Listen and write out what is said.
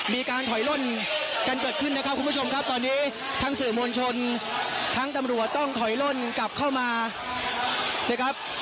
มีการถอยล่นกันเกิดขึ้นนะครับคุณผู้ชมครับตอนนี้ทั้งสื่อมวลชนทั้งตำรวจต้องถอยล่นกลับเข้ามานะครับ